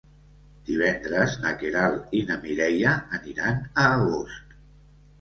Divendres na Queralt i na Mireia aniran a Agost.